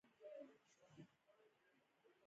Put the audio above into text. معده خواړه هضموي